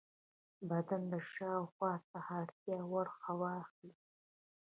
بدن د شاوخوا هوا څخه اړتیا وړ هوا اخلي.